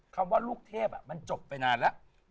คำว่าลูกเทพมันจบไปนานแล้ว